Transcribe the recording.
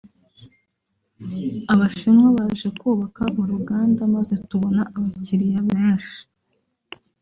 Abashinwa baje kubaka uruganda maze tubona abakiliya benshi